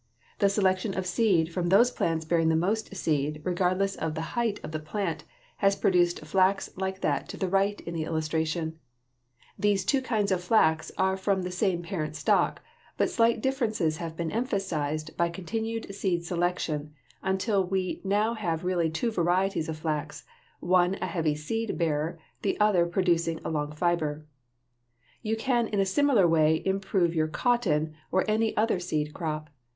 The selection of seed from those plants bearing the most seed, regardless of the height of the plant, has produced flax like that to the right in the illustration. These two kinds of flax are from the same parent stock, but slight differences have been emphasized by continued seed selection, until we now have really two varieties of flax, one a heavy seed bearer, the other producing a long fiber. You can in a similar way improve your cotton or any other seed crop.